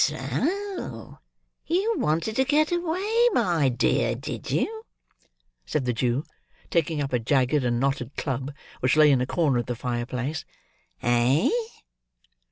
"So you wanted to get away, my dear, did you?" said the Jew, taking up a jagged and knotted club which lay in a corner of the fireplace; "eh?"